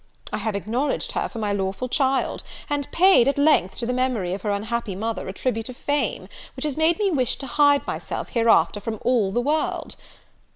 I have acknowledged her for my lawful child, and paid, at length, to the memory of her unhappy mother a tribute of fame, which has made me wish to hide myself hereafter from all the world.'